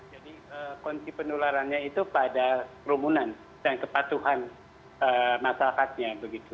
jadi kondisi penularannya itu pada kerumunan dan kepatuhan masyarakatnya